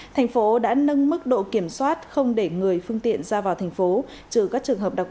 thành phố đã nâng mức độ kiểm soát không để người phương tiện ra vào thành phố trừ các trường hợp đặc